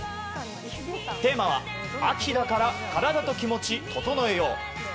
テーマは「秋だから、カラダとキモチ整えよう。」。